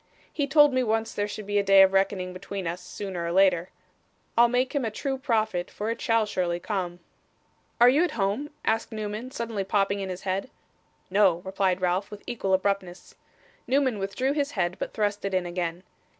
He told me once there should be a day of reckoning between us, sooner or later. I'll make him a true prophet, for it shall surely come.' 'Are you at home?' asked Newman, suddenly popping in his head. 'No,' replied Ralph, with equal abruptness. Newman withdrew his head, but thrust it in again.